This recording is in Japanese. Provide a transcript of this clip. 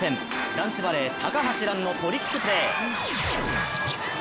男子バレー高橋藍のトリックプレー。